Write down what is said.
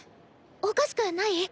おかしくない！？